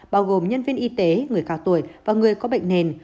bao gồm nhân viên y tế người cao tuổi và người có bệnh nền